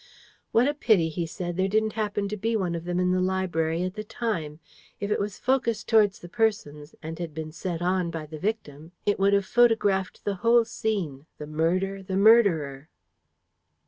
'What a pity,' he said, 'there didn't happen to be one of them in the library at the time! If it was focussed towards the persons, and had been set on by the victim, it would have photographed the whole scene the murder, the murderer.'